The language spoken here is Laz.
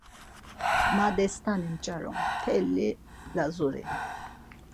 Ma destani p̌ç̌arum mteli Lazuri.